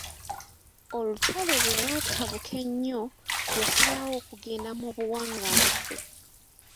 Olutalo bwe lwatabuka ennyo, yasalawo okugenda mu buwanganguse.